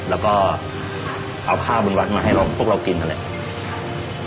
แล้วก็เอาข้าวบนวัดมาให้พวกเรากินนั่นแหละ